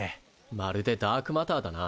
まるでダークマターだな。